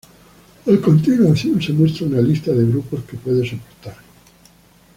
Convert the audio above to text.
A continuación se muestra una lista de grupos que puede soportar.